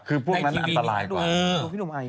คือพวกมันอันตรายกว่าดูพี่หนุ่มไอ